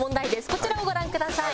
こちらをご覧ください。